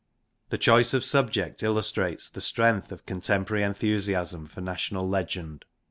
The choice of subject illustrates the strength of contemporary enthusiasm for national legend.